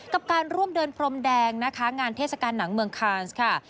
กับการร่วมเดินพรมแดงนะคะงานเทศกาลหนังเมืองคานส์ค่ะ